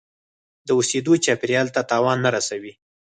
د اوسیدو چاپیریال ته تاوان نه رسوي.